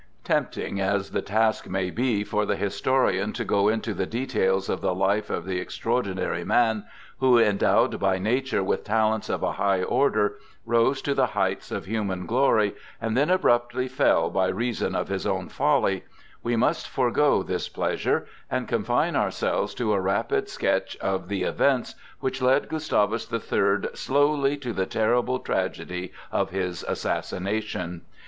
Tempting as the task may be for the historian to go into the details of the life of the extraordinary man who, endowed by nature with talents of a high order, rose to the heights of human glory and then abruptly fell by reason of his own folly, we must forego this pleasure and confine ourselves to a rapid sketch of the events which led Gustavus the Third slowly to the terrible tragedy of his assassination.